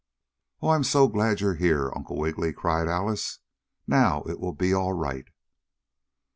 "Oh, I'm so glad you're here, Uncle Wiggily!" cried Alice. "Now it will be all right."